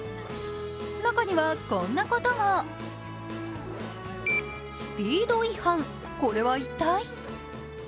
中には、こんなこともスピードいはん、これは一体？